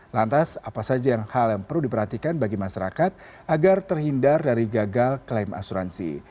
lantas apa saja hal yang perlu diperhatikan bagi masyarakat agar terhindar dari gagal klaim asuransi